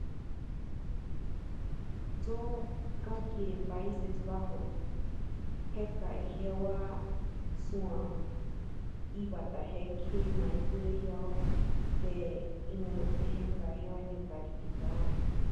Viajó a Países Bajos para participar en la última instancia clasificatoria.